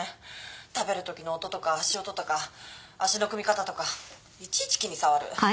食べるときの音とか足音とか足の組み方とかいちいち気に障る。